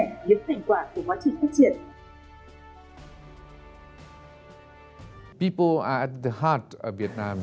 những thành quả của quá trình phát triển